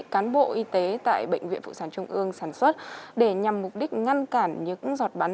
cán bộ y tế tại bệnh viện phụ sản trung ương sản xuất để nhằm mục đích ngăn cản những giọt bắn